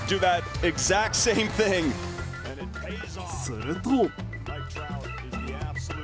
すると。